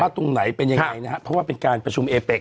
ตรงไหนเป็นยังไงนะครับเพราะว่าเป็นการประชุมเอเป็ก